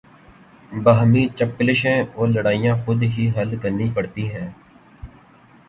باہمی چپقلشیں اور لڑائیاں خود ہی حل کرنی پڑتی ہیں۔